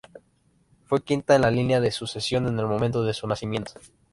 Fue quinta en la línea de sucesión en el momento de su nacimiento.